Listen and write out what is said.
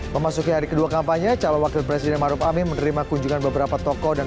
memasuki hari kedua kampanye calon wakil presiden maruf amin menerima kunjungan beberapa tokoh dan